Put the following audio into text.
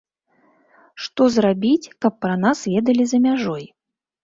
Што зрабіць, каб пра нас ведалі за мяжой?